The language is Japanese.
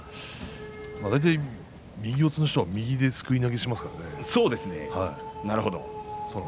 大体、右四つの人は右ですくい投げしますからね。